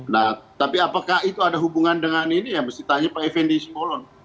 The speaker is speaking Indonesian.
nah tapi apakah itu ada hubungan dengan ini ya mesti tanya pak effendi simbolon